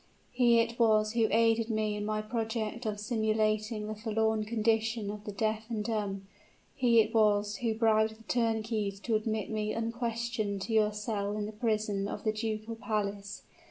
He it was who aided me in my project of simulating the forlorn condition of the deaf and dumb: he it was who bribed the turnkeys to admit me unquestioned to your cell in the prison of the ducal palace.